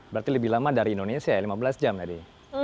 berarti lebih lama dari indonesia ya lima belas jam tadi